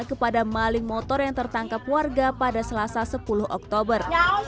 kepada maling motor yang tertangkap warga pada selasa sepuluh oktober